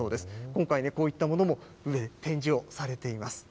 今回、こういったものも展示をされています。